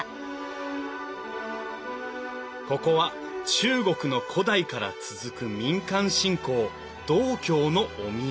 ここは中国の古代から続く民間信仰道教のお宮。